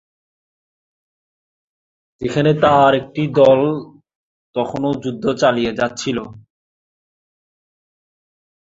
সেখানে তার একটি দল তখনো যুদ্ধ চালিয়ে যাচ্ছিল।